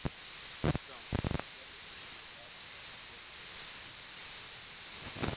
Razón por la cual es considerada como sierva de Dios en la Iglesia católica.